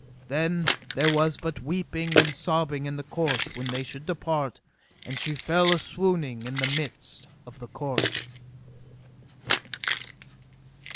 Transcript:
Then there was but weeping and sobbing in the court when they should depart, and she fell a swooning in midst of the court.